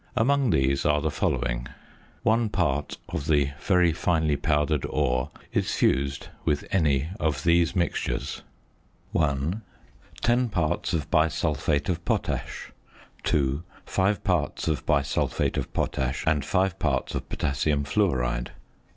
Among these are the following. One part of the very finely powdered ore is fused with any of these mixtures. (1) 10 parts of bisulphate of potash. (2) 5 parts of bisulphate of potash and 5 parts of potassium fluoride.